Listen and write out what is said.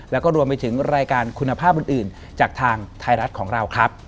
แล้วก็รวมไปถึงรายการคุณภาพอื่นจากทางไทยรัฐของเราครับ